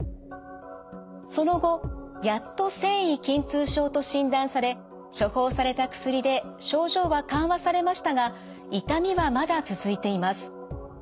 その後やっと線維筋痛症と診断され処方された薬で症状は緩和されましたが痛みはまだ続いています。